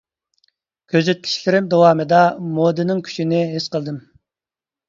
كۆزىتىشلىرىم داۋامىدا مودىنىڭ كۈچىنى ھېس قىلدىم.